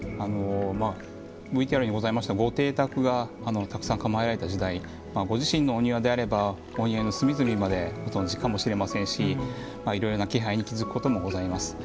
ＶＴＲにございましたご邸宅がたくさん構えられた時代ご自身のお庭であればお庭の隅々までご存じかもしれませんしいろいろな気配に気付くこともございます。